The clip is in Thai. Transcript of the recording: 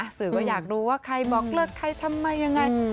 สื่อก็อยากรู้ว่าใครบอกเลิกใครทำไมยังไง